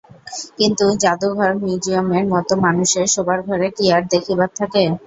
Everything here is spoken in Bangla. কিন্তু জাদুঘর মিউজিয়মের মতো মানুষের শোবার ঘরে কী আর দেখিবার থাকে?